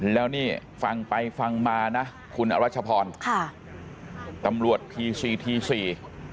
แล้วนี่ฟังไปฟังมานะคุณอรัชพรค่ะตำรวจพีซีทีสี่